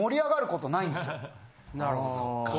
なるほど。